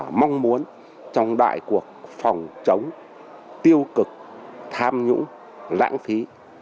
chúng ta mong muốn trong đại cuộc phòng chống tiêu cực tham nhũng lãng phí